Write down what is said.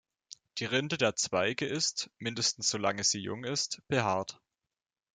Die Rinde der Zweige ist, mindestens so lange sie jung sind, behaart.